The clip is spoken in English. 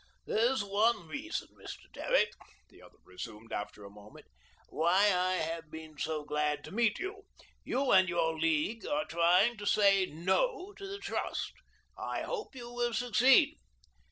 "That's one reason, Mr. Derrick," the other resumed after a moment, "why I have been so glad to meet you. You and your League are trying to say 'No' to the trust. I hope you will succeed.